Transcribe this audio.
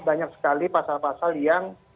banyak sekali pasal pasal yang